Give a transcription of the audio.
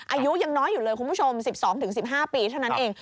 อายุยังน้อยอยู่เลยคุณผู้ชม๑๒๑๕ปีเท่านั้นเอง